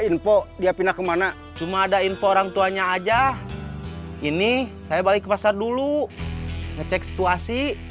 info dia pindah kemana cuma ada info orang tuanya aja ini saya balik ke pasar dulu ngecek situasi